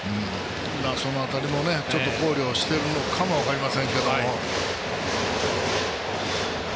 その辺りもちょっと考慮してるのかも分かりませんけども。